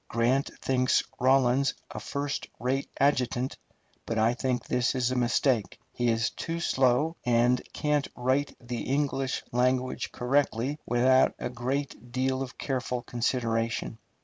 Grant thinks Rawlins a first rate adjutant, but I think this is a mistake. He is too slow, and can't write the English language correctly without a great deal of careful consideration.